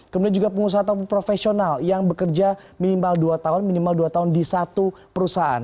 kemudian juga pengusaha atau profesional yang bekerja minimal dua tahun di satu perusahaan